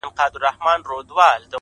o چاته د دار خبري ډيري ښې دي،